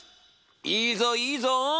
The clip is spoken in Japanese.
いいぞいいぞ！